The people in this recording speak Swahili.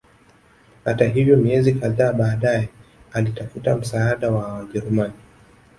Hata hivyo miezi kadhaa baadae alitafuta msaada wa Wajerumani